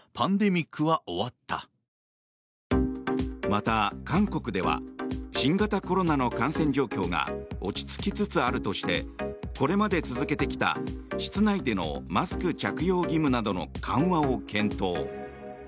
また、韓国では新型コロナの感染状況が落ち着きつつあるとしてこれまで続けてきた室内でのマスク着用義務などの緩和を検討。